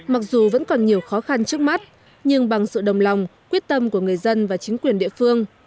mặc dù vẫn còn nhiều khó khăn trước mắt nhưng bằng sự đồng lòng quyết tâm của người dân và chính quyền địa phương